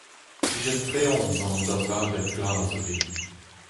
Plijet-tre on gant an daoulagad glas ivez.